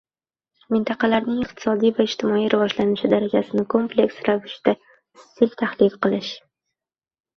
mintaqalarning iqtisodiy va ijtimoiy rivojlanishi darajasini kompleks ravishda izchil tahlil qilish